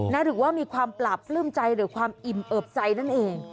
หรือว่ามีความปราบปลื้มใจหรือความอิ่มเอิบใจนั่นเอง